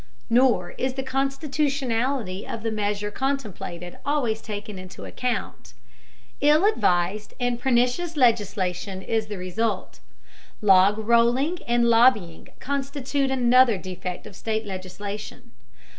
Nor is the constitutionality of the measure contemplated always taken into account. Ill advised and pernicious legislation is the result. Log rolling and lobbying constitute another defect of state legislation.